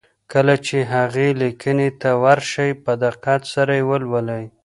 کله چې هغې ليکنې ته ور شئ په دقت سره يې ولولئ.